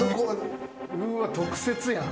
うわ特設やん。